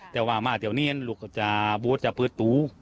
แต่ว่ามาเทียวนี้หลุกจากบูธจากพืชตู